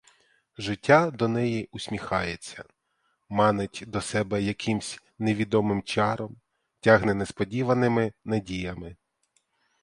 Життя до неї усміхається, манить до себе якимсь невідомим чаром, тягне несподіваними надіями.